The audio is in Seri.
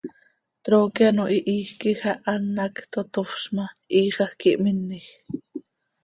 Trooqui ano hihiij quij ah an hac totofz ma, hiixaj quih minej.